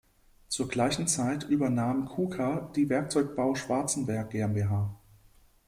Zur gleichen Zeit übernahm Kuka die Werkzeugbau Schwarzenberg GmbH.